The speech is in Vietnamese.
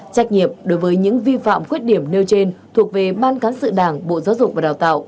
trách nhiệm đối với những vi phạm khuyết điểm nêu trên thuộc về ban cán sự đảng bộ giáo dục và đào tạo